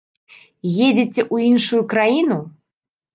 Едзеце ў іншую краіну?